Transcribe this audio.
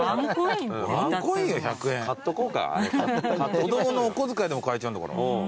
子供のお小遣いでも買えちゃうんだから。